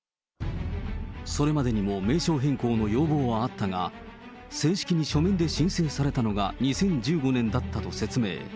それまでにも名称変更の要望はあったが、正式に書面で申請されたのが２０１５年だったと説明。